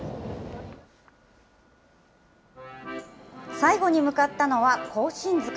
最後に向かったのは、庚申塚。